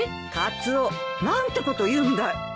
カツオ何てこと言うんだい。